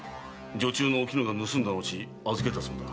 女中のおきぬが盗んだ後預けたそうだ。